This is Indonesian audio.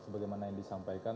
bagaimana yang disampaikan